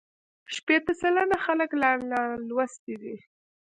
شپېته سلنه خلک لا نالوستي دي.